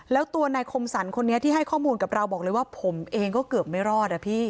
แล้วตัวนายคมสรรคนนี้ที่ให้ข้อมูลกับเราบอกเลยว่าผมเองก็เกือบไม่รอดอะพี่